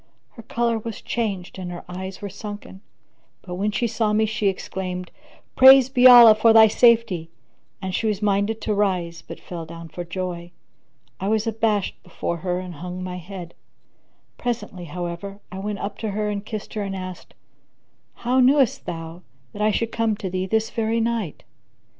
Her colour was changed and her eyes were sunken; but, when she saw me, she exclaimed, "Praised be Allah for thy safety!" And she was minded to rise but fell down for joy. I was abashed before her and hung my head; presently, however, I went up to her and kissed her and asked, "How knewest thou that I should come to thee this very night?"